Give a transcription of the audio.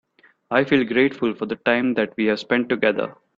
I feel grateful for the time that we have spend together.